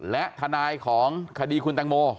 และทนายของคดีคุณตังโม